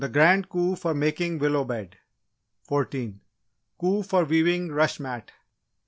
Grand Coup for Making Willow Bed 14. Coup for Weaving Rush mat 15.